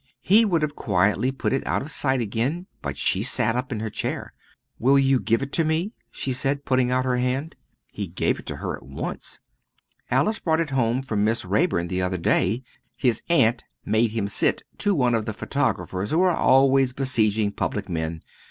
He would have quietly put it out of sight again, but she sat up in her chair. "Will you give it me?" she said, putting out her hand. He gave it her at once. "Alice brought it home from Miss Raeburn the other day. His aunt made him sit to one of the photographers who are always besieging public men.